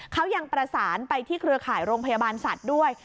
เขายังประสานไปที่เครือข่ายโรงพยาบาลสัตว์ด้วย